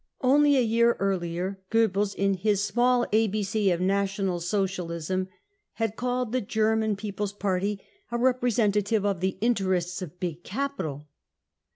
Only a year earlier Gcebbels, in his Smfltll ABC of National Socialism , had called the German People's Party a representative of the interests of big capital.